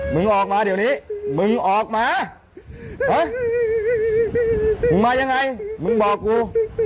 มึงออกมาเดี๋ยวนี้มึงออกมาเฮ้ยมึงมายังไงมึงบอกกู